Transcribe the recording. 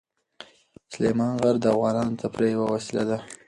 سلیمان غر د افغانانو د تفریح یوه وسیله ده.